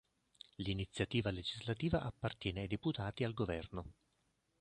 L'iniziativa legislativa appartiene ai deputati e al Governo.